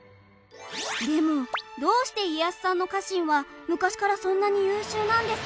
でもどうして家康さんの家臣は昔からそんなに優秀なんですか？